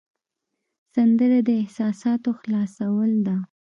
سندره د احساساتو خلاصول ده